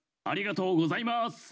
ありがとうございます。